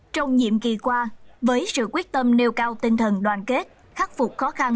trong nhiệm kỳ qua với sự quyết tâm nêu cao tinh thần đoàn kết khắc phục khó khăn